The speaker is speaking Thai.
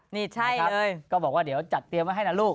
ก็เห็นบอกว่าเดี๋ยวจัดแตรียมมาให้ลูก